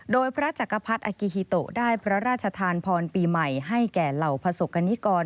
โดยพระจักรพรรดิอากิฮิโตได้พระราชทานพรปีใหม่ให้แก่เหล่าประสบกรณิกร